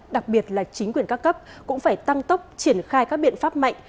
đặc biệt là chính quyền các cấp cũng phải tăng tốc triển khai các biện pháp mạnh